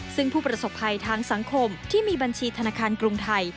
ซึ่งผู้ประสบภัยทางสังคมที่มีบัญชีธนาคารกรุงไทย